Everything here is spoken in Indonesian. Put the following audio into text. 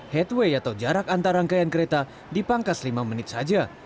headway atau jarak antar rangkaian kereta dipangkas lima menit saja